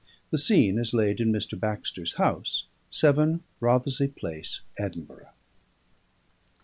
The scene is laid in Mr. Baxter's house, 7 Rothesay Place, Edinburgh.